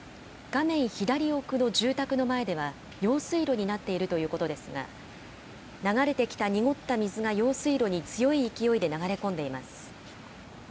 画面左奥の住宅の前では、用水路になっているということですが、流れてきた濁った水が用水路に強い勢いで流れ込んでいます。